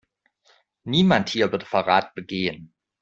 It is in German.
Niemand hier würde Verrat begehen.